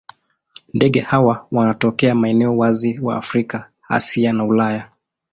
Ndege hawa wanatokea maeneo wazi wa Afrika, Asia na Ulaya.